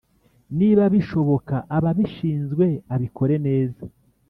Niba bishoboka ababishinzwe abikore neza